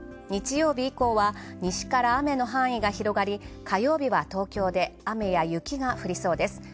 日曜日以降は、西から雨の範囲が広がり火曜日は東京で雨や雪が降りそうです。